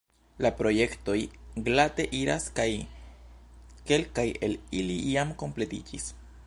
La projektoj glate iras kaj kelkaj el ili jam kompletiĝis.